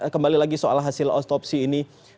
kembali lagi soal hasil otopsi ini